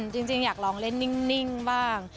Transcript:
จริงอยากลองเล่นนิ่งบ้าง